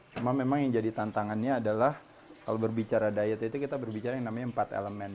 cuma memang yang jadi tantangannya adalah kalau berbicara diet itu kita berbicara yang namanya empat elemen